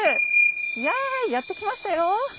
いややって来ましたよ！